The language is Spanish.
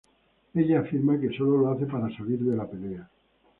Ella afirma que sólo lo hace para salir de la pelea.